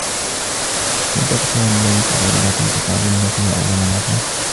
هل تذكر الليلة التي تقابلنا فيها أول مرة ؟